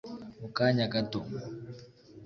mu kanya gato